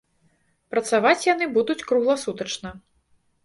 Працаваць яны будуць кругласутачна.